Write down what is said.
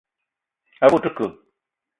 A ve o te ke ?